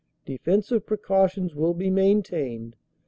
Defensive precautions will be maintained.